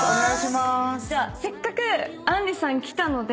じゃあせっかくあんりさん来たので。